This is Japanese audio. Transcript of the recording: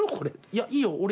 いやいいよ俺。